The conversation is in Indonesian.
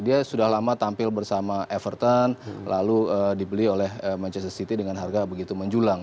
dia sudah lama tampil bersama everton lalu dibeli oleh manchester city dengan harga begitu menjulang